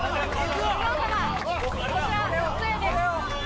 こちらつえです